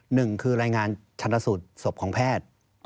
หนึ่งคือรายงานชนสูตรศพของแพทย์